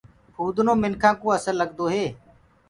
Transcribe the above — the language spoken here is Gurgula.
ڦُودنو منکآ ڪوُ اسل لگدو هي۔